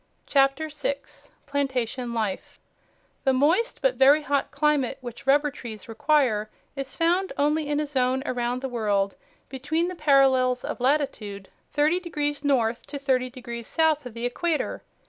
CHAPTER 6 PLANTATION LIFE The moist but very hot climate which rubber trees require is found only in a zone around the world between the parallels of latitude thirty degrees north to thirty degrees south of the equator.